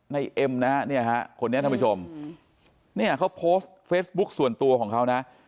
เอ็มนะฮะเนี่ยฮะคนนี้ท่านผู้ชมเนี่ยเขาโพสต์เฟซบุ๊คส่วนตัวของเขานะ